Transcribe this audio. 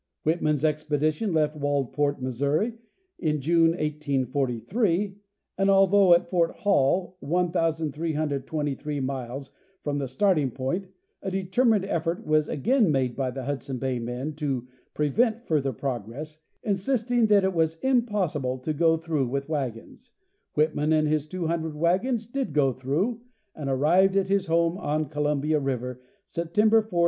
Whitman's expedition left Waldport, Missouri, in June, 1843, and although at Fort Hall, 1,523 miles from the starting point, a determined effort was again made by the Hudson Bay men to prevent further progress, insisting that it was impossible to go through with wagons, Whitman and his 200 wagons did go through and arrived at his home on Columbia river September 4,1843.